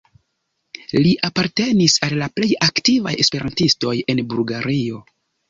Li apartenis al plej aktivaj esperantistoj en Bulgario.